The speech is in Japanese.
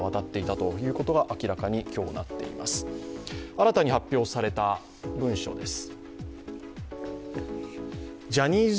新たに発表された文書です。